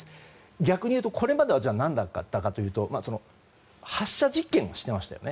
逆に言うと、これまでは何だったかというと発射実験をしていましたね。